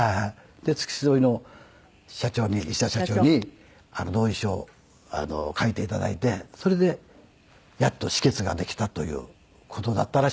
で付き添いの社長に石田社長に同意書を書いて頂いてそれでやっと止血ができたという事だったらしいんですね。